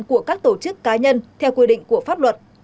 của các tổ chức cá nhân theo quy định của pháp luật